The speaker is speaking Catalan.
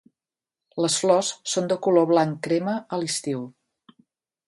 Les flors són de color blanc crema a l'estiu.